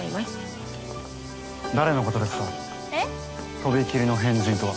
飛び切りの変人とは。